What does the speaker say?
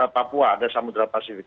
papua ada samudera pasifik